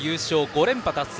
５連覇達成。